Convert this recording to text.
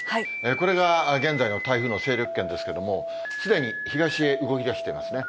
これが現在の台風の勢力圏ですけれども、すでに東へ動きだしていますね。